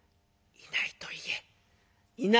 いないと言え」。